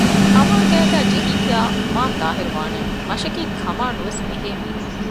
އަމާ ގައިގައި ޖެހިއްޔާ މާތާހިރުވާނެއެވެ! މަށަކީ ކަމާ ނުވެސް ބެހޭ މީހެއް